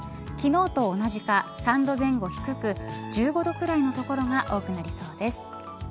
昨日と同じか３度前後低く１５度くらいの所が多くなりそうです。